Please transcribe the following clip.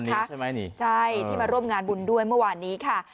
นี่ใช่ไหมนี่ใช่ที่มาร่วมงานบุญด้วยเมื่อวานนี้ค่ะ